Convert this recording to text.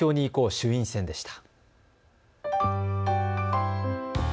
衆院選でした。